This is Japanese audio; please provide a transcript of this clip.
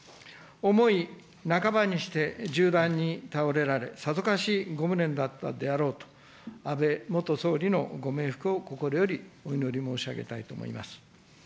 思い半ばにして銃弾に倒れられ、さぞかしご無念だったであろうと、安倍元総理のご冥福を心より申し上げたいと思います。